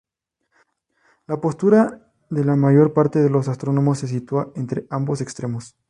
La postura de la mayor parte de los astrónomos se sitúa entre ambos extremos.